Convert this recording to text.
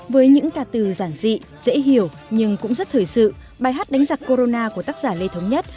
với những ca từ giản dị dễ hiểu nhưng cũng rất thời sự bài hát đánh giặc corona của tác giả lê thống nhất